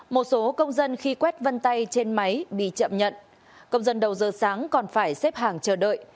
một số công dân khi quét vân tay trên máy bị chậm nhận công dân đầu giờ sáng còn phải xếp hàng chờ đợi